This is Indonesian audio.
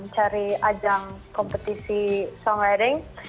cari ajang kompetisi songwriting